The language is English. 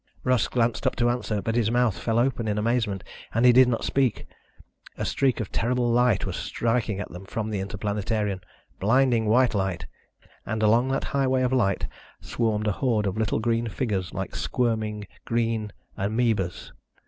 Russ glanced up to answer, but his mouth fell open in amazement and he did not speak. A streak of terrible light was striking at them from the Interplanetarian, blinding white light, and along that highway of light swarmed a horde of little green figures, like squirming green amebas.